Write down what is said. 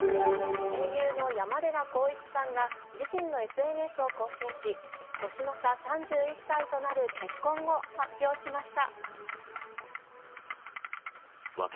声優の山寺宏一さんが、自身のＳＮＳを更新し、年の差３１歳となる結婚を発表しました。